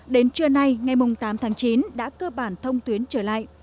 đến trưa nay ngày tám tháng chín đã cơ bản thông tuyến trở lại